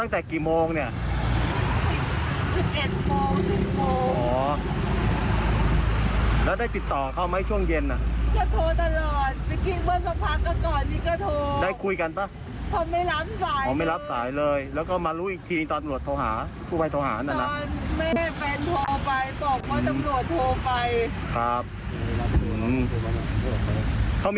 พ่อนโรคต้องเข้าไปรับปัญหาว่าเป็นโรคหอบหืด